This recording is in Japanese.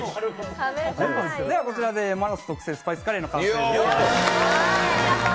こちらでＭＡＮＯＳ特製スパイスカレー完成です。